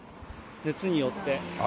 熱によって。